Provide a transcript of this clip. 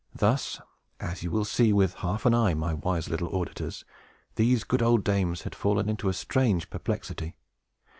Thus (as you will see, with half an eye, my wise little auditors), these good old dames had fallen into a strange perplexity.